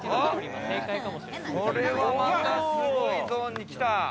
これはまたすごいゾーンに来た。